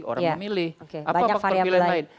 orang memilih apa pemilihan lain